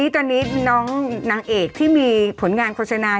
ตอนนี้น้องนางเอกที่มีผลงานโฆษณา